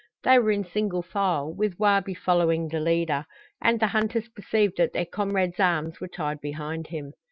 They were in single file, with Wabi following the leader, and the hunters perceived that their comrade's arms were tied behind him.